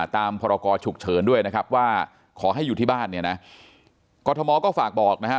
พรกรฉุกเฉินด้วยนะครับว่าขอให้อยู่ที่บ้านเนี่ยนะกรทมก็ฝากบอกนะฮะ